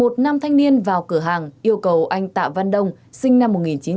thanh niên vào cửa hàng yêu cầu anh tạ văn đông sinh năm một nghìn chín trăm chín mươi ba